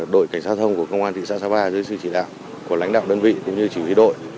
đội cảnh sát thông của cộng hòa thị xã xà và dưới sự chỉ đạo của lãnh đạo đơn vị cũng như chỉ huy đội